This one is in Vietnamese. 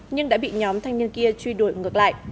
nhưng đã bị nhóm thanh niên kia truy đuổi ngược lại